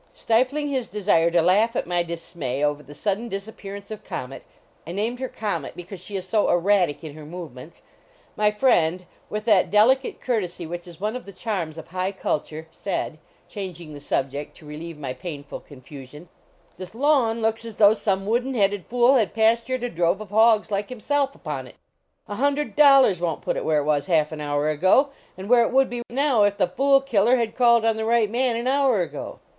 Stifling his desire to laugh at my dismay over the sudden disappearence of Comet I named her Comet because she is so erratic in her movements my friend, with that delicate courtesy which is one of the charms of high culture, said, changing the subject to relieve my painful confusion :" This lawn looks as though some wooden headed fool had pastured a drove of hogs like himself upon it. A hundred dollars won t put it where it was half an hour ago, and where it would be now if the fool killer had called on the right man an hour ago."